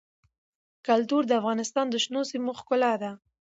کلتور د افغانستان د شنو سیمو ښکلا ده.